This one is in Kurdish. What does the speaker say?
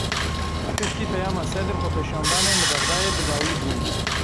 Piştî peyama Sedr xwepêşandanên li Bexdayê bi dawî bûn.